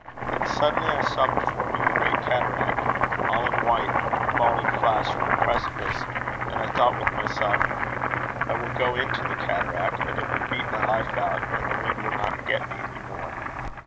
Then suddenly I saw before me a great cataract, all in white, falling flash from a precipice; and I thought with myself, 'I will go into the cataract, and it will beat my life out, and then the wind will not get me any more.'